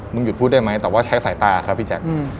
หยุดพูดได้ไหมแต่ว่าใช้สายตาครับพี่แจ๊ค